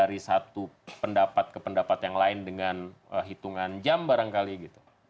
dari satu pendapat ke pendapat yang lain dengan hitungan jam barangkali gitu